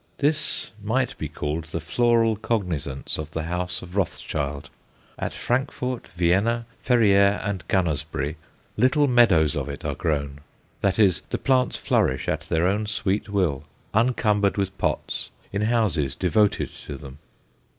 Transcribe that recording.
This might be called the floral cognizance of the house of Rothschild. At Frankfort, Vienna, Ferrières, and Gunnersbury little meadows of it are grown that is, the plants flourish at their own sweet will, uncumbered with pots, in houses devoted to them.